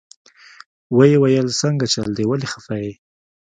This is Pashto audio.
ويې ويل سنګه چل دې ولې خفه يې.